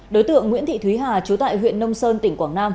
đối tượng nguyễn thị thúy hà trú tại huyện nông sơn tỉnh quảng nam